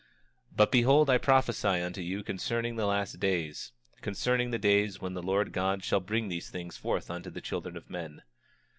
26:14 But behold, I prophesy unto you concerning the last days; concerning the days when the Lord God shall bring these things forth unto the children of men.